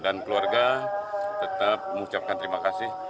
dan keluarga tetap mengucapkan terima kasih